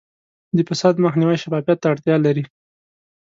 د فساد مخنیوی شفافیت ته اړتیا لري.